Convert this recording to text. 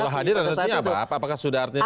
kalau hadir ada artinya apa apakah sudah mengaku